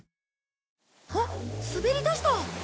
あっ滑りだした。